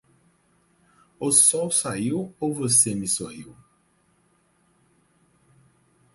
O sol saiu ou você me sorriu?